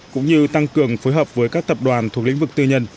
cũng như tăng cường phối hợp với các tập đoàn thuộc lĩnh vực tư nhân